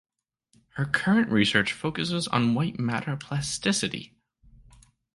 Her current research focuses on white matter plasticity.